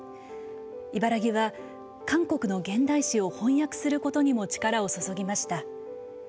茨木は韓国の現代詩を翻訳することにも力を注ぎました。